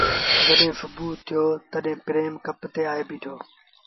جڏهيݩٚ سُڀوٚ ٿيو تا پريم ڪپ تي آئي بيٚٺو۔